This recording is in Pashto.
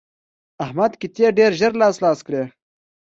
احمد قطعې ډېر ژر لاس لاس کړې.